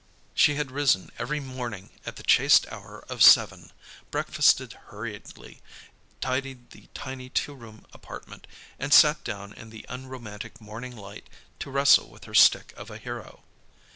She had risen every morning at the chaste hour of seven, breakfasted hurriedly, tidied the tiny two room apartment, and sat down in the unromantic morning light to wrestle with her stick of a hero.